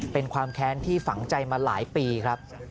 เป็นความแค้นที่ฝังใจมาหลายปีครับ